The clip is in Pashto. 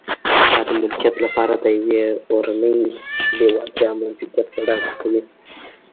دا د ملکیت لپاره د یوې اورنۍ لېوالتیا موجودیت په ډاګه کوي